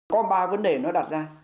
có ba vấn đề nó đặt ra